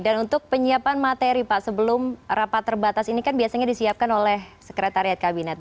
dan untuk penyiapan materi pak sebelum rapat terbatas ini kan biasanya disiapkan oleh sekretariat kabinet